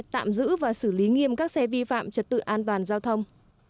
tạm giữ và xử lý nghiêm các xe vi phạm trật tự an toàn giao thông